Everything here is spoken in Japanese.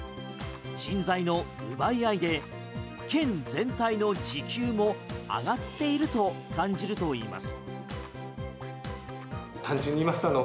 人材の奪い合いで県全体の時給も上がっていると感じるといいます。